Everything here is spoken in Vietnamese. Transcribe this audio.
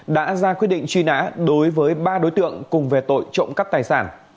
đã ra quyết định truy nã đối với ba đối tượng cùng về tội trộm cắp tài sản